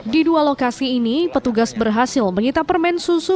di dua lokasi ini petugas berhasil menyita permen susu